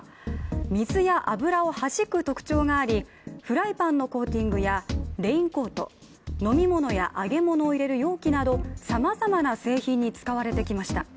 水や油をはじく特徴があり、フライパンのコーティングやレインコート、飲み物や揚げ物を入れる容器などさまざまな製品に使われてきました。